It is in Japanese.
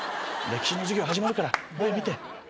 歴史の授業始まるから前見て。